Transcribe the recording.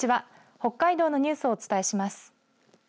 北海道のニュースをお伝えします。